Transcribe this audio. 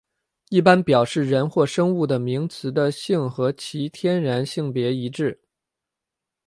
一般表示人或生物的名词的性和其天然性别一致。